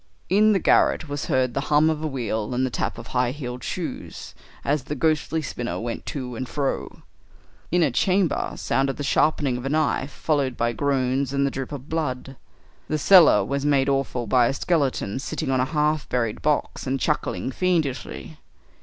In the garret was heard the hum of a wheel and the tap of high heeled shoes, as the ghostly spinner went to and fro. In a chamber sounded the sharpening of a knife, followed by groans and the drip of blood. The cellar was made awful by a skeleton sitting on a half buried box and chuckling fiendishly.